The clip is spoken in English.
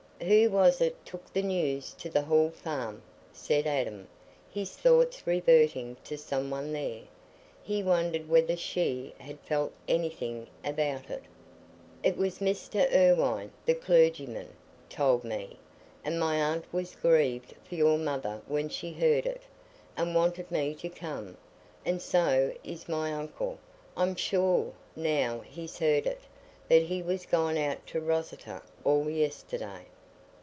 "Who was it took the news to the Hall Farm?" said Adam, his thoughts reverting to some one there; he wondered whether she had felt anything about it. "It was Mr. Irwine, the clergyman, told me, and my aunt was grieved for your mother when she heard it, and wanted me to come; and so is my uncle, I'm sure, now he's heard it, but he was gone out to Rosseter all yesterday.